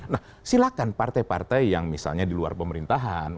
nah silakan partai partai yang misalnya di luar pemerintahan